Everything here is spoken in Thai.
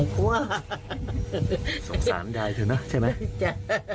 ยายกลัวสงสารยายเถอะนะใช่ไหมจ้ะ